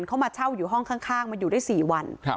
เขามาเช่าอยู่ห้องข้างมาอยู่ได้๔วัน